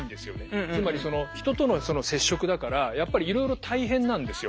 つまりその人との接触だからやっぱりいろいろ大変なんですよ。